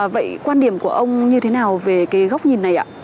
vậy quan điểm của ông như thế nào về cái góc nhìn này ạ